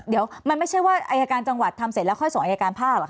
เดี๋ยวมันไม่ใช่ว่าอายการจังหวัดทำเสร็จแล้วค่อยส่งอายการภาคเหรอค